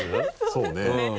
そうね。